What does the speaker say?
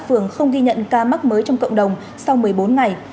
một mươi một phường không ghi nhận ca mắc mới trong cộng đồng sau một mươi bốn ngày